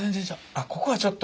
あっここがちょっと。